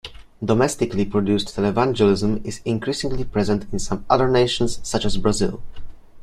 Domestically produced televangelism is increasingly present in some other nations such as Brazil.